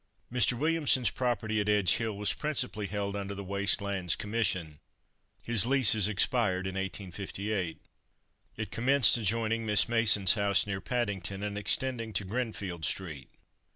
Mr. Williamson's property at Edge hill, was principally held under the Waste Lands Commission. His leases expired in 1858. It commenced adjoining Miss Mason's house, near Paddington, and extended to Grinfield street.